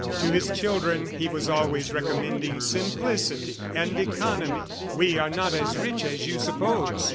To his children he was always recommending simplicity and economy. "We are not as rich as you suppose.